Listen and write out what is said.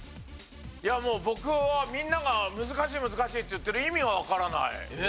いやもう僕はみんなが難しい難しいって言ってる意味がわからない。